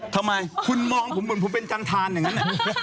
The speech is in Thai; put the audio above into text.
ทำไมคุณมองผมเป็นจันทานอย่างนั้น